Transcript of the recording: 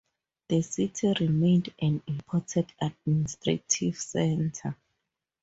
The city remained an important administrative centre.